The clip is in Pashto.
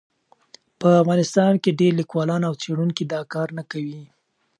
په افغانستان کې ډېر لیکوالان او څېړونکي دا کار نه کوي.